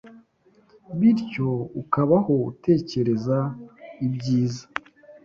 bityo ukabaho utekereza ibyiza.